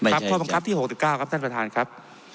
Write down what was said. ข้อบังคับที่๖๙ครับท่านประธานครับ